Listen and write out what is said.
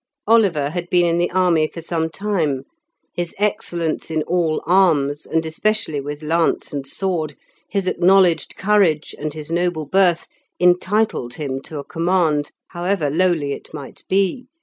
Oliver had been in the army for some time; his excellence in all arms, and especially with lance and sword, his acknowledged courage, and his noble birth, entitled him to a command, however lowly it might be.